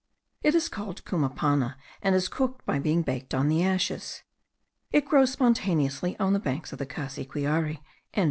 It is called cumapana, and is cooked by being baked on the ashes. It grows spontaneously on the banks of the Cassiquiare.)